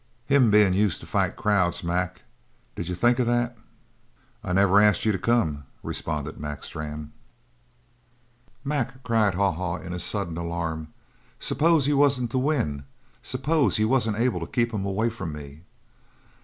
"Him bein' used to fight crowds, Mac. Did you think of that?" "I never asked you to come," responded Mac Strann. "Mac," cried Haw Haw in a sudden alarm, "s'pose you wasn't to win. S'pose you wasn't able to keep him away from me?"